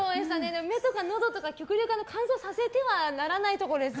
目とか、のどとか極力乾燥させてはならないところ。